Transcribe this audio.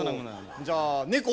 じゃあ猫は？